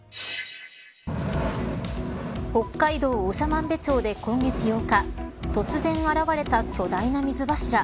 北海道長万部町で今月８日突然現れた巨大な水柱。